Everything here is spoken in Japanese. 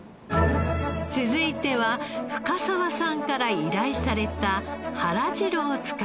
続いては深澤さんから依頼されたはらじろを使って。